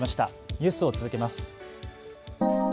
ニュースを続けます。